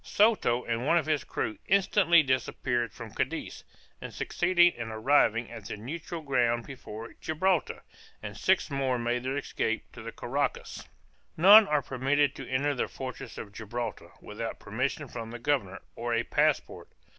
Soto and one of his crew instantly disappeared from Cadiz, and succeeded in arriving at the neutral ground before Gibraltar, and six more made their escape to the Carraccas. None are permitted to enter the fortress of Gibraltar, without permission from the governor, or a passport.